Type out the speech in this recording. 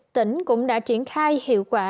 tỉnh cũng đã triển khai hiệu quả